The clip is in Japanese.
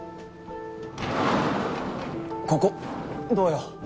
ここどうよ？